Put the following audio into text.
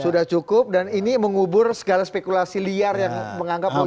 sudah cukup dan ini mengubur segala spekulasi liar yang menganggap bahwa